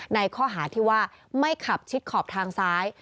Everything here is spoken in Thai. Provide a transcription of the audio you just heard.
ในข้อหาที่ว่าไม่ขับชิดขอบทางซ้าย